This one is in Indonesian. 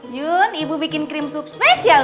jun ibu bikin krim sub spesial